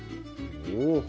お。